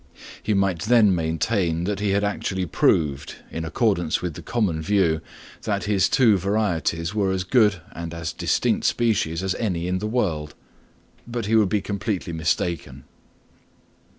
He might then maintain that he had actually proved, in accordance with the common view, that his two varieties were as good and as distinct species as any in the world; but he would be completely mistaken.